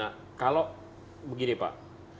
nah kalau begini pak